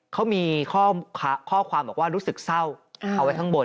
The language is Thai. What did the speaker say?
เขามีข้อความบอกว่ารู้สึกเศร้าเอาไว้ข้างบน